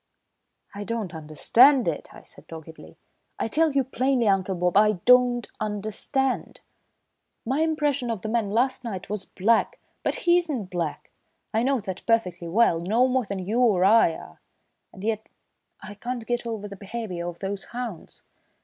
"I don't understand it," I said doggedly. "I tell you plainly, Uncle Bob, I don't understand. My impression of the man last night was 'black,' but he's not black, I know that perfectly well, no more than you or I are, and yet I can't get over the behaviour of those hounds.